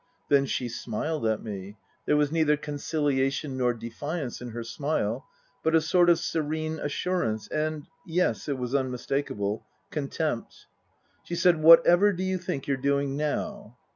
Then she smiled at me ; there was neither conciliation nor defiance in her smile, but a sort of serene assurance and yes, it was unmistakable contempt. She said, " Whatever do you think you're doing now